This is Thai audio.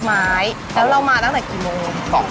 ไม้แล้วเรามาตั้งแต่กี่โมง